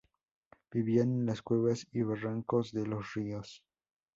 Vivían en las cuevas y barrancos de los ríos.